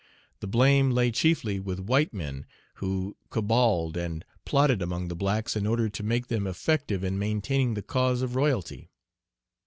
The blame lay chiefly with white men, who caballed and plotted among the blacks in order to make them effective in maintaining the cause of royalty.